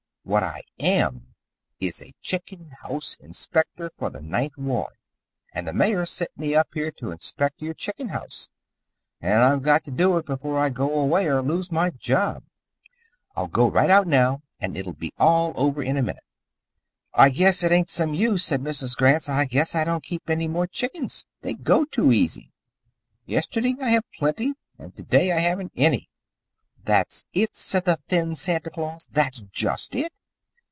What I am is chicken house inspector for the Ninth Ward, and the Mayor sent me up here to inspect your chicken house, and I've got to do it before I go away, or lose my job. I'll go right out now, and it'll be all over in a minute " "I guess it ain't some use," said Mrs. Gratz. "I guess I don't keep any more chickens. They go too easy. Yesterday I have plenty, and to day I haven't any." "That's it!" said the thin Santa Claus. "That's just it!